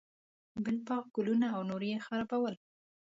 بل باغ، ګلونه او نور یې خړوبول.